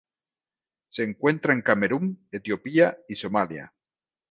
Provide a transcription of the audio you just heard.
Se encuentra en Camerún Etiopía y Somalia.